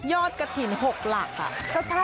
ยอดกะถิ่น๖หลักอ่ะ